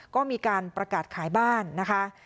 ก็มีการประกาศขายบ้านนะคะ